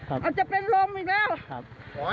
อาจจะเป็นลมอีกแล้ว